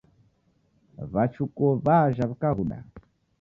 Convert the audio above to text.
W'achukuo w'ajha w'ikaghuda